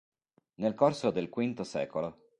Nel corso del V sec.